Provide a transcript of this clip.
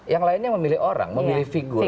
yang lainnya memilih orang memilih figur